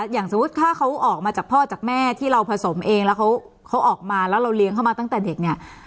อย่างสมมุติถ้าเขาออกมาจากพ่อจากแม่ที่เราผสมเองแล้วเขาออกมาแล้วเราเลี้ยงเขามาตั้งแต่เด็กเนี่ย